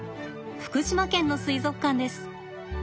福島県の水族館です。